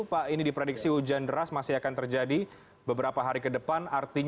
pak ini diprediksi hujan deras masih akan terjadi beberapa hari ke depan